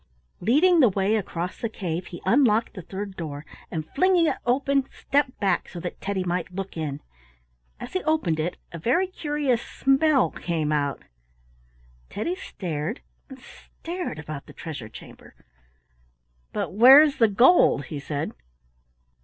Leading the way across the cave, he unlocked the third door, and flinging it open stepped back so that Teddy might look in. As he opened it a very curious smell came out. Teddy stared and stared about the treasure chamber. "But where is the gold?" he said.